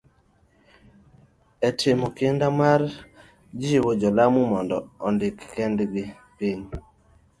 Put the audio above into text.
E timo kinda mar jiwo jo Lamu mondo ondik kendgi piny,